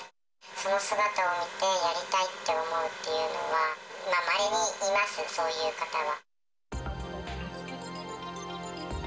その姿を見て、やりたいって思うっていうのは、まれにいます、そういう方は。